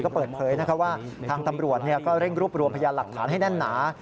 ก็เปิดเผยว่าทางตำรวจก็เร่งรวบรวมพยานหลักฐานให้แน่นหนา